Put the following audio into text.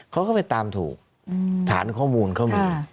เขาก็ไปตามถูกฐานข้อมูลเขามี